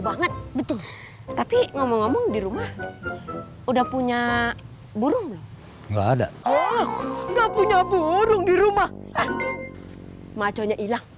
early lufthansa umbul machamata itu dibawa k gall bén kbek presidential en ing judges